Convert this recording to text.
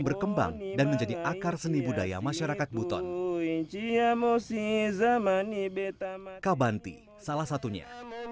berkembang dan menjadi akar seni budaya masyarakat buton ciamo sin zaman ibetabanti salah satunya